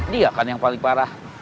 dia kan yang paling parah